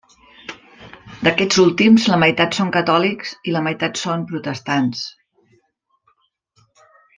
D'aquests últims la meitat són catòlics i la meitat són protestants.